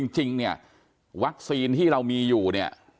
จริงเนี่ยวัคซีนที่เรามีอยู่เนี่ย